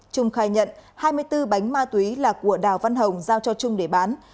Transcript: trung khai nhận hai mươi bốn bánh ma túy là của đào văn hồng giao cho trung để bán